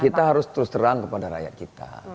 kita harus terus terang kepada rakyat kita